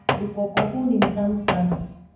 Ukoko huu ni mtamu sana.